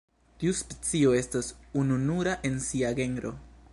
Tiu specio estas ununura en sia genro.